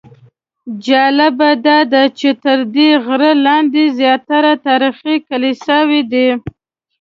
جالبه داده چې تر دې غره لاندې زیاتره تاریخي کلیساوې دي.